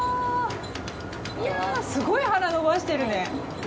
いや、すごい鼻伸ばしてるね。